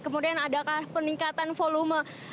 kemudian adakah peningkatan volume